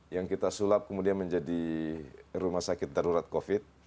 yang kita sulap kemudian menjadi rumah sakit darurat covid